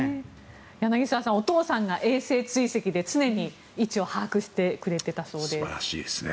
柳澤さんお父さんが衛星追跡で常に位置を把握してくれていたそうですね。